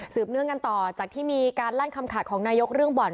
เนื่องกันต่อจากที่มีการลั่นคำขาดของนายกเรื่องบ่อน